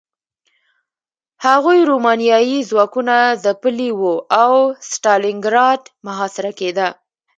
هغوی رومانیايي ځواکونه ځپلي وو او ستالینګراډ محاصره کېده